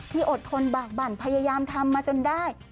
อดทนบากบั่นพยายามทำมาจนได้